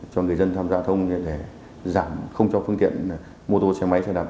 cho người dân tham gia thông để giảm không cho phương tiện mô tô xe máy xe đạp